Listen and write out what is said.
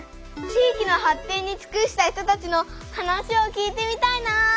地域の発展につくした人たちの話を聞いてみたいな！